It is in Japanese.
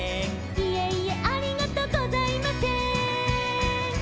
「いえいえありがとうございませーん」